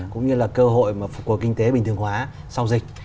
cũng như là cơ hội mà phục hồi kinh tế bình thường hóa sau dịch